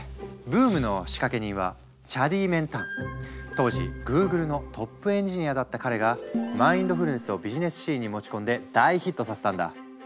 ブームの仕掛け人は当時グーグルのトップエンジニアだった彼がマインドフルネスをビジネスシーンに持ち込んで大ヒットさせたんだ。